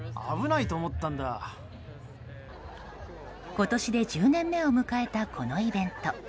今年で１０年目を迎えたこのイベント。